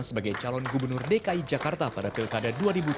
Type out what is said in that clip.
sebagai calon gubernur dki jakarta pada pilkada dua ribu tujuh belas